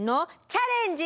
「チャレンジ！」。